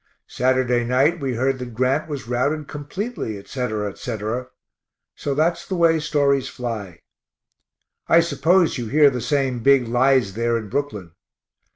Saturday night we heard that Grant was routed completely, etc. etc. so that's the way stories fly. I suppose you hear the same big lies there in Brooklyn.